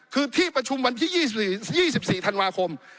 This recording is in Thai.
คือที่ประชุมวันที่๒๔ธันวาคม